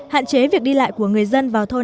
hạn chế việc đi lại của người dân vào thôn